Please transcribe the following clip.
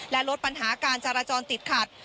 และลดปัญหาการจราจรติดขัด